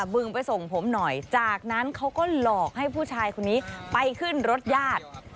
มึงไปส่งผมหน่อยจากนั้นเขาก็หลอกให้ผู้ชายคนนี้ไปขึ้นรถญาติ